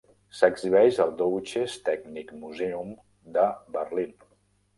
S'exhibeix al Deutsches Technikmuseum de Berlín.